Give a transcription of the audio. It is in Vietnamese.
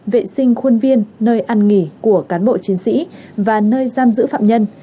vệ sinh khuôn viên nơi ăn nghỉ của cán bộ chiến sĩ và nơi giam giữ phạm nhân